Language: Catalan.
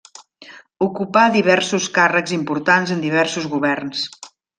Ocupà diversos càrrecs importants en diversos governs.